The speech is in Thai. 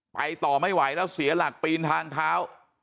ต่อไม่ไหวแล้วเสียหลักปีนทางเท้า